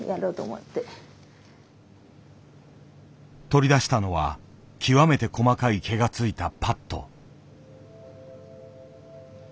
取り出したのは極めて細かい毛が付いたパット。